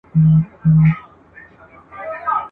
چي پخپله یې پر کور د مرګ ناره سي ..